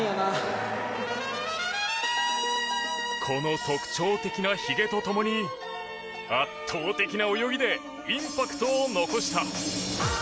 この特徴的なひげと共に圧倒的な泳ぎでインパクトを残した。